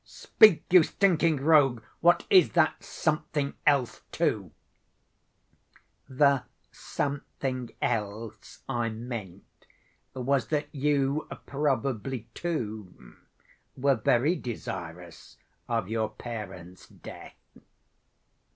"Speak, you stinking rogue, what is that 'something else, too'?" "The 'something else' I meant was that you probably, too, were very desirous of your parent's death."